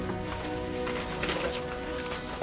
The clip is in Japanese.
よいしょ。